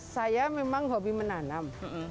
saya memang hobi menanam